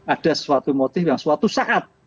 ada sesuatu motif yang suatu saat